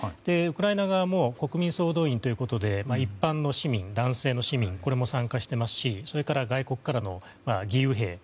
ウクライナ側も国民総動員ということで一般の市民、男性の市民も参加をしていますしそれから外国からの義勇兵